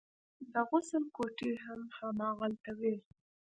د غسل کوټې هم هماغلته وې.